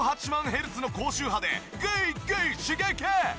ヘルツの高周波でぐいぐい刺激！